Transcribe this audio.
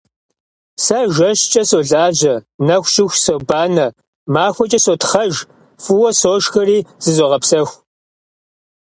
Сэ жэщкӀэ солажьэ, нэху щыху собанэ, махуэкӀэ сотхъэж, фӀыуэ сошхэри зызогъэпсэху.